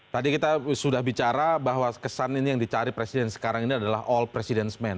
tadi kita sudah bicara bahwa kesan ini yang dicari presiden sekarang ini adalah all president men